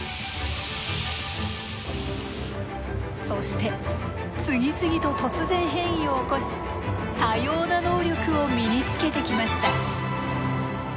そして次々と突然変異を起こし多様な能力を身につけてきました。